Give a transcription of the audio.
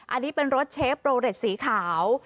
อันนี้เป็นรถเชฟโรเรตสีขาว